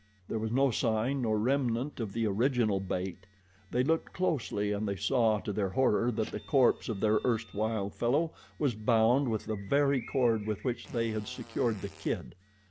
There was no sign nor remnant of the original bait. They looked closely and they saw, to their horror, that the corpse of their erstwhile fellow was bound with the very cord with which they had secured the kid.